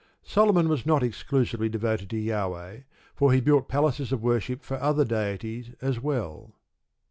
Solomon was not exclusively devoted to Jahweh, for he built places of worship for other deities as well.